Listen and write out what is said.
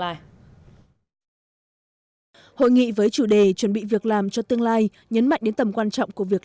lại hội nghị với chủ đề chuẩn bị việc làm cho tương lai nhấn mạnh đến tầm quan trọng của việc